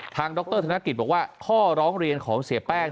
ดรธนกิจบอกว่าข้อร้องเรียนของเสียแป้ง